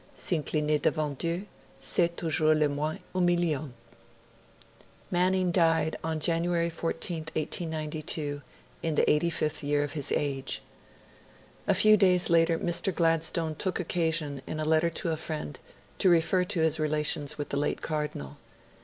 S'incliner devant Dieu, c'est toujours le moins humiliant.' Manning died on January 14th, 1892, in the eighty fifth year of his age. A few days later Mr. Gladstone took occasion, in a letter to a friend, to refer to his relations with the late Cardinal.